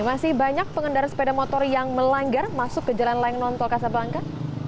masih banyak pengendara sepeda motor yang melanggar masuk ke jalan layang nontol kasablangka